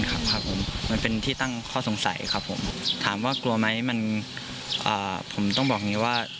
ครับครับผมมันเป็นที่ตั้งข้อสงสัยครับผมถามว่ากลัวไหมมันอ่าผมต้องบอกอย่างนี้ว่า